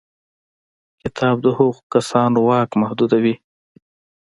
کتاب د هغو کسانو واک محدودوي.